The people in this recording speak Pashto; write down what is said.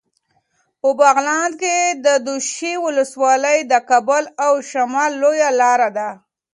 په بغلان کې د دوشي ولسوالي د کابل او شمال لویه لاره ده.